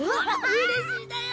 うれしいだよ！